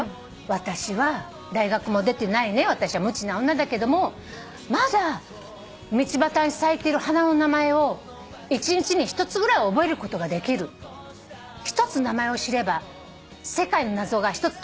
「私は大学も出てない無知な女だけどもまだ道端に咲いている花の名前を一日に一つぐらいは覚えることができる」「一つ名前を知れば世界の謎が一つ解けたことになる」